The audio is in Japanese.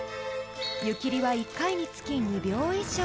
［湯切りは１回につき２秒以上］